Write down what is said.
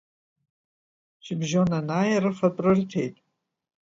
Шьыбжьон анааи, рыфатә рырҭеит.